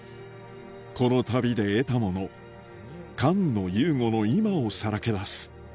この旅で得たもの菅野祐悟の今をさらけ出す